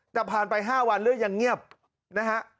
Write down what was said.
แต่ผ่านไป๕วันเรื่องยังเงียบนะฮะ